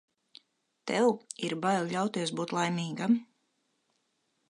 Tev ir bail ļauties būt laimīgam.